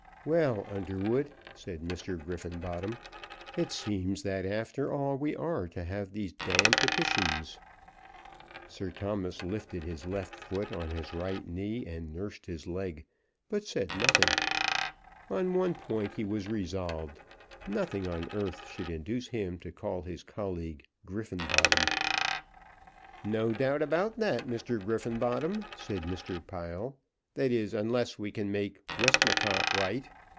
"Well, Underwood," said Mr. Griffenbottom, "it seems that after all we are to have these d petitions." Sir Thomas lifted his left foot on his right knee, and nursed his leg, but said nothing. On one point he was resolved; nothing on earth should induce him to call his colleague Griffenbottom. "No doubt about that, Mr. Griffenbottom," said Mr. Pile, " that is, unless we can make Westmacott right.